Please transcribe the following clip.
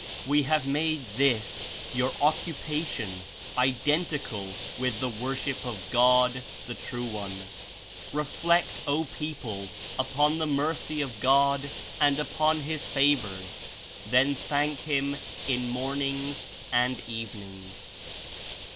We have made this, your occupation, Identical with the worship of God, the True One. Reflect, O 104 people, upon the mercy of God and upon His favors; then thank Him In mornings and evenings.